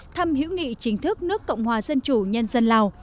thăm hữu nghị chính thức nước cộng hòa dân chủ nhân dân lào